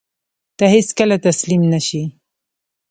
ته هېڅکله تسلیم نه شې.